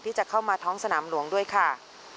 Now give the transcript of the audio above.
ที่จะเข้ามาท้องสนามหลวงด้วยค่ะ